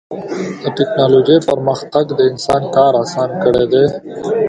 د ټکنالوجۍ پرمختګ د انسان کار اسان کړی دی.